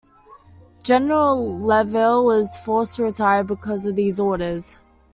General Lavelle was forced to retire because of these orders.